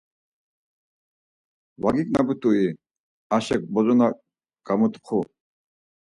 Va gignaput̆ui, Aşek bozo na gamutxu.